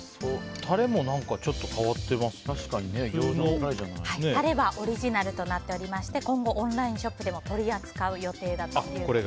タレはオリジナルとなっておりまして今後、オンラインショップでも取り扱う予定だということです。